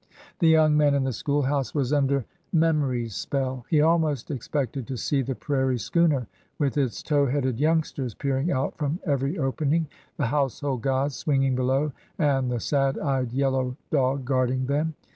The young man in the school house was under Mem ory's spell. He almost expected to see the prairie schooner with its tow headed youngsters peering out from every opening, the household gods swinging below, and the sad eyed yellow dog guarding them.